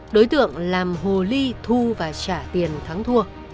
đối tượng làm hồ ly thu và trả tiền thắng thua